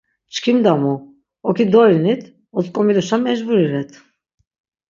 Çkimda mu, oki dorinit, otzk̆omiluşa mecburi ret.